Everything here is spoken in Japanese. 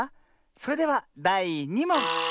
それではだい２もん。